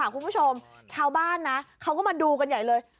คุณผู้ชมชาวบ้านนะเขาก็มาดูกันใหญ่เลย